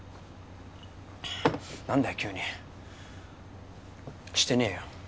何だよ急にしてねえよ